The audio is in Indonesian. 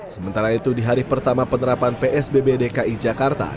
sementara itu di hari pertama penerapan psbb dki jakarta